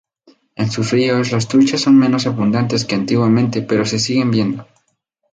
En sus ríos las truchas son menos abundantes que antiguamente, pero se siguen viendo.